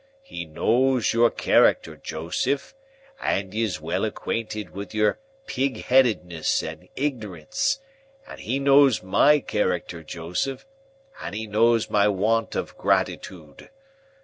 He knows your character, Joseph, and is well acquainted with your pig headedness and ignorance; and he knows my character, Joseph, and he knows my want of gratitoode.